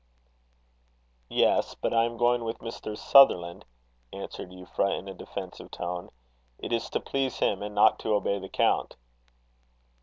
"Yes; but I am going with Mr. Sutherland," answered Euphra, in a defensive tone. "It is to please him, and not to obey the count."